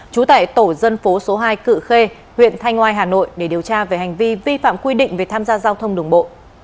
trú tại tổ dân phố số hai cự khê huyện thanh ngoai hà nội để điều tra về hành vi vi phạm quy định về tham gia giao thông đường bộ